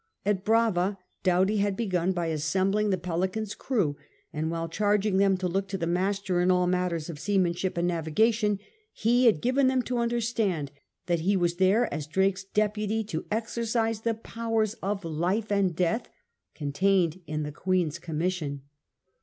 At Brava Doughty had begun by assembling th^ PelicarCs crew, and while charging them to look to the master in all matters of seamanship and navigation, he had given them to understand that he was there as Drake's deputy to exercise the powers of life and death contained in the Queen's commission.